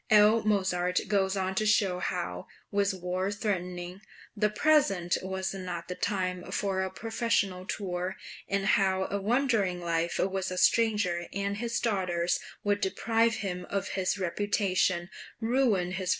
L. Mozart goes on to show how, with war threatening, the present was not the time for a professional tour, and how a wandering life with a stranger and his daughters would deprive him of his reputation, ruin his {MANNHEIM.